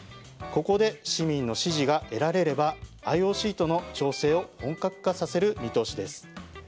ここで市民の支持が得られればＩＯＣとの調整を本格化させる見通しです。